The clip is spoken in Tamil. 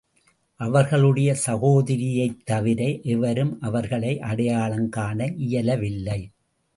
அவர்களுடைய சகோதரியைத் தவிர எவரும் அவர்களை அடையாளம் காண இயலவில்லை.